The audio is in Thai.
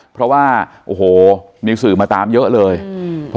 เพราะว่าโอ้โหมีสื่อมาตามเยอะเลยอืม